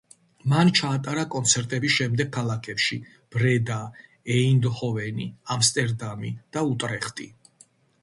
მან ჩაატარა კონცერტები შემდეგ ქალაქებში: ბრედა, ეინდჰოვენი, ამსტერდამი და უტრეხტი.